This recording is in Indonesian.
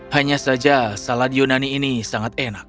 hanya saja salad yunani ini sangat enak